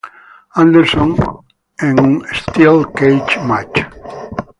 Anderson en un "Steel Cage Match".